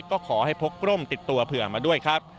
ก็ขอให้พกร่มติดตัวเผื่อมาด้วยครับ